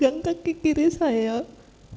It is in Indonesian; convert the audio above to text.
memegang kaki kiri saya dan menangis